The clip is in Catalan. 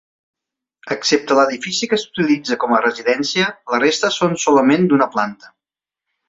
Excepte l'edifici que s'utilitza com a residència, la resta són solament d'una planta.